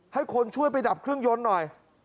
ให้คนช่วยไปดับเครื่องยนต์หน่อย